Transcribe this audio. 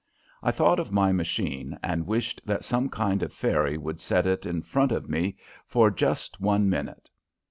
I thought of my machine and wished that some kind fairy would set it in front of me for just one minute.